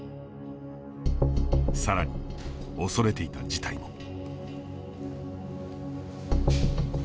さらに、恐れていた事態も。